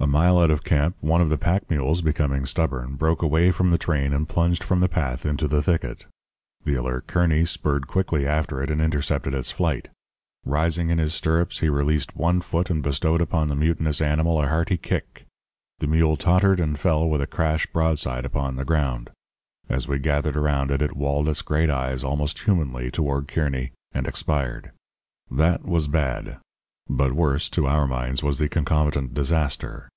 "A mile out of camp one of the pack mules, becoming stubborn, broke away from the train and plunged from the path into the thicket. The alert Kearny spurred quickly after it and intercepted its flight. Rising in his stirrups, he released one foot and bestowed upon the mutinous animal a hearty kick. The mule tottered and fell with a crash broadside upon the ground. As we gathered around it, it walled its great eyes almost humanly towards Kearny and expired. That was bad; but worse, to our minds, was the concomitant disaster.